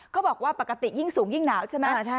เขาบอกว่าปกติยิ่งสูงยิ่งหนาวใช่ไหม